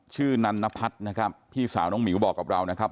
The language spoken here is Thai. นันนพัฒน์นะครับพี่สาวน้องหมิวบอกกับเรานะครับ